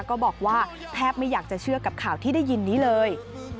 ก็บอกว่าแทบไม่อยากจะเชื่อกับข่าวที่ได้ยินนี้เลย